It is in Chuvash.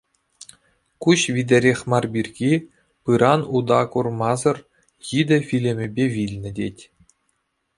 Куҫ витӗрех мар пирки, пыран ута курмасӑр, йытӑ вилӗмпе вилнӗ, тет.